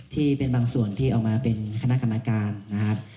ที่เป็นบางส่วนที่ออกมาเป็นคณะกรรมการนะครับ